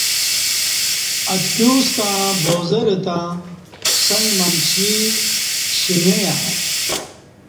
اتکیوستݩع بازار تہ څݣ منچی شݣیہ۔